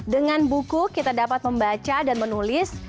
dengan buku kita dapat membaca dan menulis